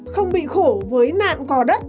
không bị khổ với nạn cỏ đất